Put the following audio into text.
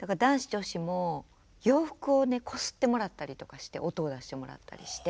女子！」も洋服をねこすってもらったりとかして音を出してもらったりして。